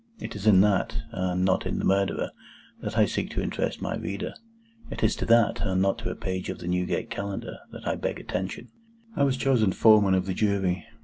It is in that, and not in the Murderer, that I seek to interest my reader. It is to that, and not to a page of the Newgate Calendar, that I beg attention. I was chosen Foreman of the Jury.